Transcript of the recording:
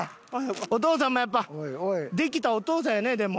お父さんもやっぱできたお父さんやねでも。